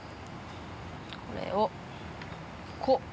これをこう。